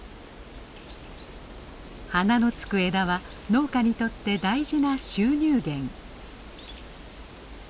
花の付く枝は農家にとって大事な収入源。